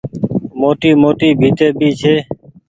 موٽي موٽي ڀيتي ڀي ڇي ۔